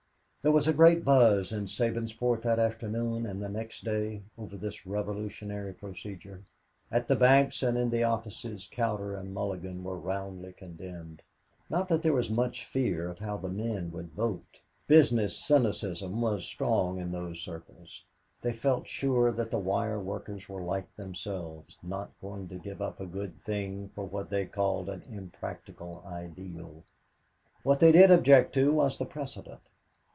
There was a great buzz in Sabinsport that afternoon and the next day over this revolutionary procedure. At the banks and in the offices, Cowder and Mulligan were roundly condemned not that there was much fear of how the men would vote. Business cynicism was strong in those circles. They felt sure that the wire workers were like themselves, not going to give up a good thing for what they called an impractical ideal. What they did object to was the precedent.